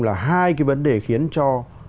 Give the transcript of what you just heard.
là hai cái vấn đề khiến cho